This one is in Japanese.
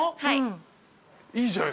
はい。